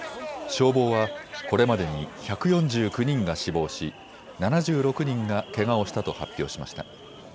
消防はこれまでに１４９人が死亡し７６人がけがをしたと発表しました。